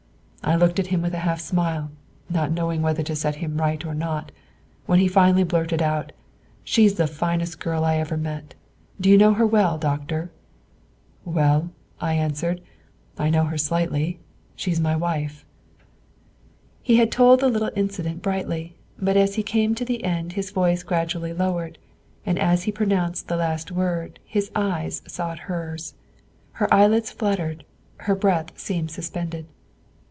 I looked at him with a half smile, not knowing whether to set him right or not, when he finally blurted out, 'She's the finest girl I ever met. Do you know her well, Doctor?' 'Well,' I answered, 'I know her slightly, she is my wife.'" He had told the little incident brightly; but as he came to the end, his voice gradually lowered, and as he pronounced the last word, his eyes sought hers. Her eyelids fluttered; her breath seemed suspended.